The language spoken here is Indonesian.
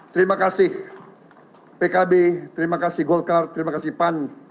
terima kasih pkb terima kasih golkar terima kasih pan